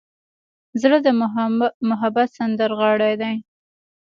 زړه د محبت سندرغاړی دی.